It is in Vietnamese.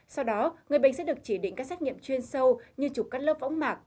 sau đó người bệnh sẽ được chỉ định các xét nghiệm chuyên sâu như chụp cắt lớp võng mạc